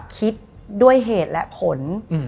คิดด้วยเหตุและผล